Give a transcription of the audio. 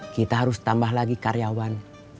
kita harus tambah lagi karyawan